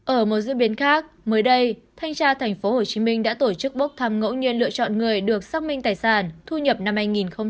ở một diễn biến khác mới đây thanh tra tp hcm đã tổ chức bốc thăm ngẫu nhiên lựa chọn người được xác minh tài sản thu nhập năm hai nghìn hai mươi